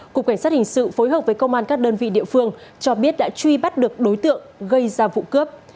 cục cảnh sát hình sự phối hợp với công an các đơn vị địa phương cho biết đã truy bắt được đối tượng gây ra vụ cướp